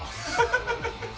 ハハハハ！